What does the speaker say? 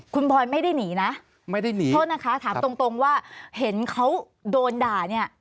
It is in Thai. คุณพอยมัยได้หนีนะโทษนะคะตรงว่าเห็นเขาโดนด่าเนี่ย